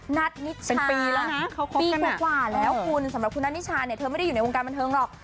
เป็นปีแล้วนะปีกว่าแล้วคุณสำหรับคุณนัทนิชาเนี่ยเธอไม่ได้อยู่ในวงการบันเทิงหรอก